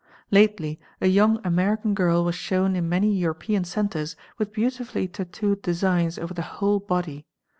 Lately a young American girl was shown in many European centres with beautifully tattooed designs over the whole body.